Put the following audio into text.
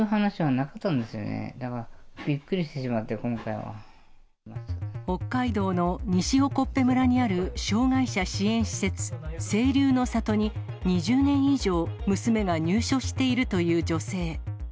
だからびっくりしてしまって、北海道の西興部村にある障がい者支援施設、清流の里に、２０年以上、娘が入所しているという女性。